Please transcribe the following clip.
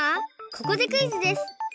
ここでクイズです。